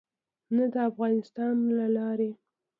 نه د افغانستان له لارې.